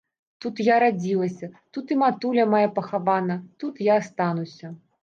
Тут я радзілася, тут і матуля мая пахавана, тут я астануся.